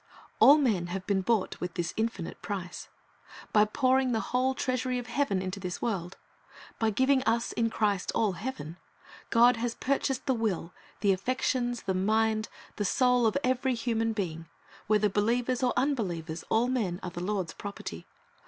"^ All men have been brought with this infinite price. By pouring the whole treasury of heaven into this world, by giving us in Christ all heaven, God has purchased the will, the affections, the mind, the soul, of every human being. Whether believers or unbelievers, all men are the Lord's property.